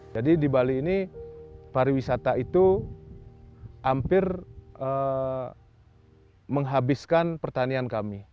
jadi di bali ini pariwisata itu hampir menghabiskan pertanian kami